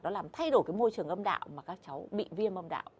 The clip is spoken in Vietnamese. nó làm thay đổi cái môi trường âm đạo mà các cháu bị viêm âm đạo